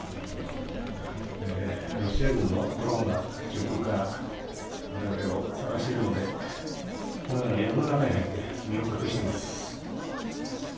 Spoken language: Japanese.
ロシア軍のドローンが上空からわれわれを探しているので、このようなやぶの中に入って身を隠しています。